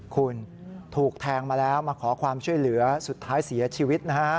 คุณถูกแทงมาแล้วมาขอความช่วยเหลือสุดท้ายเสียชีวิตนะฮะ